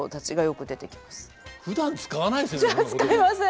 ふだん使わないですよね